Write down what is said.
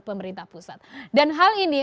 pemerintah pusat dan hal ini